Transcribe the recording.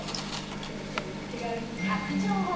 黒ヒョウの手紙。